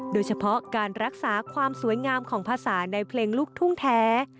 โดยเฉพาะการรักษาความสวยงามของภาษาในเพลงลูกทุ่งแท้